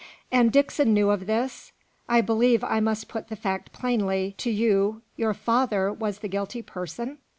"And Dixon knew of this. I believe I must put the fact plainly to you your father was the guilty person?